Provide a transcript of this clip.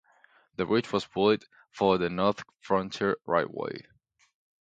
The bridge was built for the North Frontier Railway.